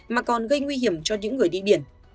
mà còn gây nguy hiểm cho những người đi biển